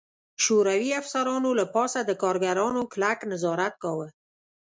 شوروي افسرانو له پاسه د کارګرانو کلک نظارت کاوه